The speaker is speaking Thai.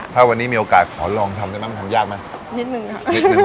ถ้าวันนี้มีโอกาสขอลองทำได้ไหมมันทำยากไหมนิดนึงค่ะ